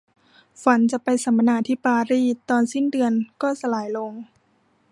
ฝันจะไปสัมมนาที่ปารีสตอนสิ้นเดือนก็สลายลง